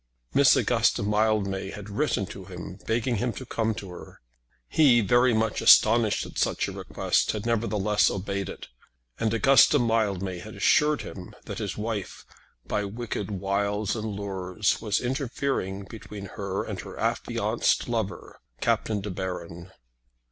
Miss Augusta Mildmay had written to him begging him to come to her. He, very much astonished at such a request, had nevertheless obeyed it; and Augusta Mildmay had assured him that his wife, by wicked wiles and lures, was interfering between her and her affianced lover Captain De Baron.